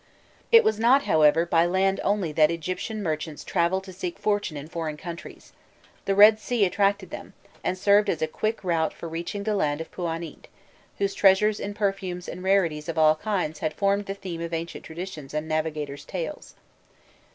It was not, however, by land only that Egyptian merchants travelled to seek fortune in foreign countries: the Red Sea attracted them, and served as a quick route for reaching the land of Pûanît, whose treasures in perfumes and rarities of all kinds had formed the theme of ancient traditions and navigators' tales.